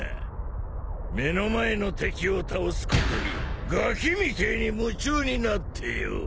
目の前の敵を倒すことにガキみてえに夢中になってよぉ。